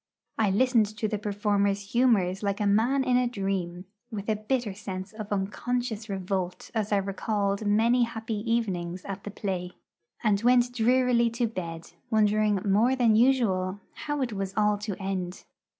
I listened to the performer's humours like a man in a dream, with a bitter sense of unconscious revolt as I recalled many happy evenings at the play, and went drearily to bed, wondering more than usual how it was all to end.